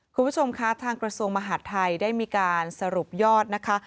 คุณผู้ชมคะทางกระทรวงมหาดไทยได้มีการสรุปยอดนะคะ